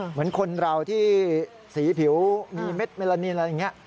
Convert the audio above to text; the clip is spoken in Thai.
เหมือนคนเราที่สีผิวมีเม็ดเมลานินอะไรอย่างนี้